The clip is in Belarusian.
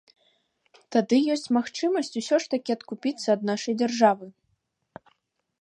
Тады ёсць магчымасць усё ж такі адкупіцца ад нашай дзяржавы.